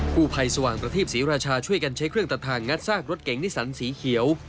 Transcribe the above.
ผู้ภัยสว่างประทีปศรีราชาช่วยกันใช้เครื่องตัดทางงัดซากรถเก๋งนิสันสีเขียว